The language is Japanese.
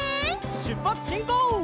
しゅっぱつしんこう！